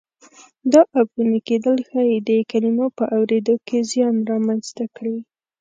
دا عفوني کېدل ښایي د کلمو په اورېدو کې زیان را منځته کړي.